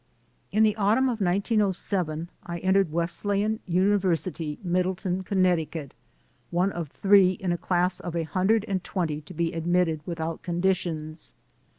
In the autumn of 1907 I entered Wesleyan Uni versity, Middletown, Connecticut, one of three in a class of a hundred and twenty to be admitted without conditions.